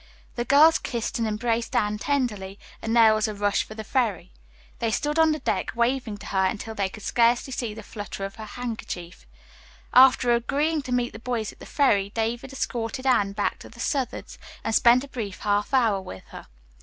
The girls kissed and embraced Anne tenderly, then there was a rush for the ferry. They stood on the deck waving to her until they could scarcely see the flutter of her handkerchief. After agreeing to meet the boys at the ferry, David escorted Anne back to the Southard's and spent a brief half hour with her.